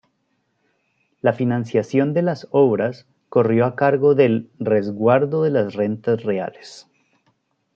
La financiación de las obras corrió a cargo del "Resguardo de las Rentas Reales".